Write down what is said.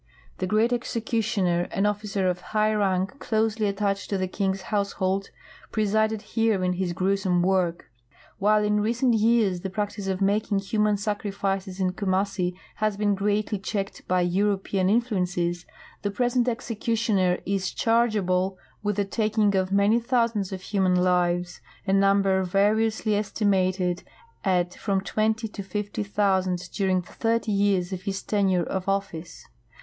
The Great Executioner, an officer of high rank closely attached to the king's household, presided here in his gruesome work. While in recent years the practice of making human sacrifices in Kumassi has been greatly checked by Euro pean influences, the present executioner is chargeable with the taking of many thousands of human lives — a number variously estimated at from twenty to fifty thousand — during the thirt}' years of his tenure of office.